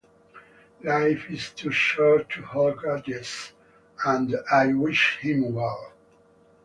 Life is too short to hold grudges and I wish him well.